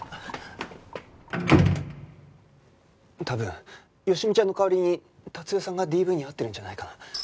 多分好美ちゃんの代わりに達代さんがＤＶに遭ってるんじゃないかな？